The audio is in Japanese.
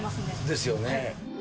ですよね。